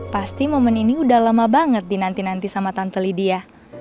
pasti momen ini udah lama banget dinanti nanti sama tante lidia